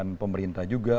mengingatkan pemerintah juga